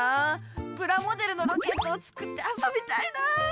プラモデルのロケットを作ってあそびたいな。